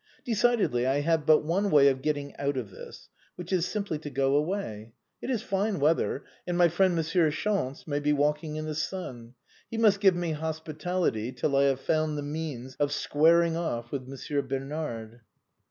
" Decidedly, I have but one way of getting out of this, which is simply to go away. It is fine weather, and my friend Monsieur Chance may be walking in the sun. He must give me hospitality till I have found the means of squaring off with Monsieur Bernard."